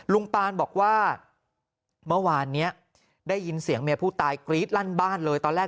ปานบอกว่าเมื่อวานนี้ได้ยินเสียงเมียผู้ตายกรี๊ดลั่นบ้านเลยตอนแรก